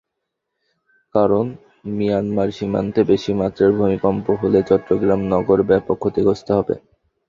কারণ, মিয়ানমার সীমান্তে বেশি মাত্রার ভূমিকম্প হলে চট্টগ্রাম নগর ব্যাপক ক্ষতিগ্রস্ত হবে।